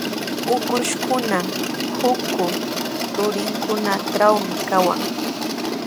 Ukushkuna utrku rurinkunatrawmi kawan.